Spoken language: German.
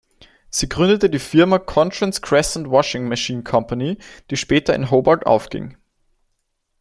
Sie gründete die Firma "Cochran’s Crescent Washing Machine Company", die später in Hobart aufging.